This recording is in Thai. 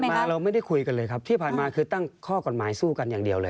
มาเราไม่ได้คุยกันเลยครับที่ผ่านมาคือตั้งข้อกฎหมายสู้กันอย่างเดียวเลย